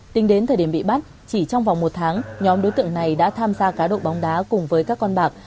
tính đến thời điểm bị bắt chỉ trong vòng một tháng nhóm đối tượng này đã tham gia cá độ bóng đá cùng với các con bạc